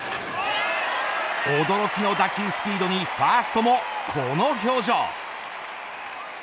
驚きの打球スピードにファーストもこの表情。